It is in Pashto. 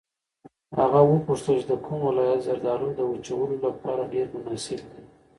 هغه وپوښتل چې د کوم ولایت زردالو د وچولو لپاره ډېر مناسب دي.